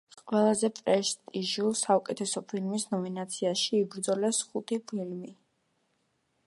ყველაზე პრესტიჟულ, საუკეთესო ფილმის ნომინაციაში იბრძოლებს ხუთი ფილმი.